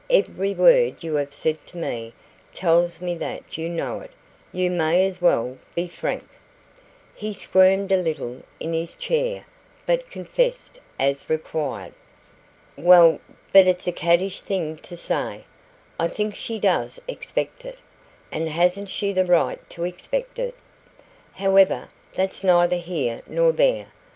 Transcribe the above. Every word you have said to me tells me that you know it. You may as well be frank." He squirmed a little in his chair, but confessed as required. "Well but it's a caddish thing to say I think she does expect it. And hasn't she the right to expect it? However, that's neither here nor there.